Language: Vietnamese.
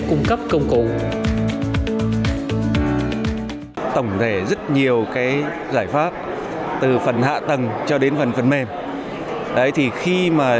cung cấp công cụ tổng thể rất nhiều cái giải pháp từ phần hạ tầng cho đến phần phần mềm đấy thì khi mà